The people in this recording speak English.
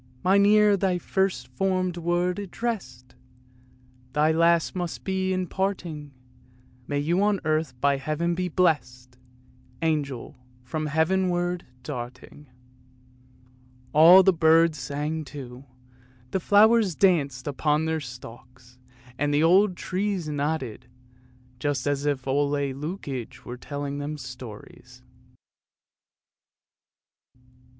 " Mine ear thy first formed word addressed, Thy last must be in parting ; May you on earth by Heaven be blessed, Angel, from Heavenward darting! " All the birds sang too, the flowers danced upon their stalks, and the old trees nodded, just as if Ole Lukoie were telling them stories.